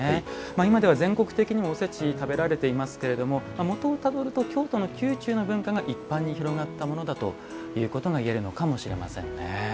今では全国的にもおせちは食べられていますが元をたどると京都の宮中の文化が一般に広がっているということがいえるかもしれません。